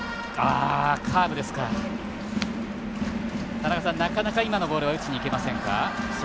田中さん、なかなか今のボールは打ちにいけませんか？